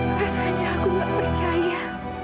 rasanya aku gak percaya